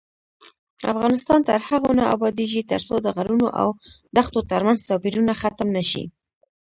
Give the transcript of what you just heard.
افغانستان تر هغو نه ابادیږي، ترڅو د غرونو او دښتو ترمنځ توپیرونه ختم نشي.